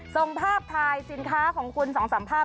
ส่งภาพถ่ายสินค้าของคุณ๒๓ภาพ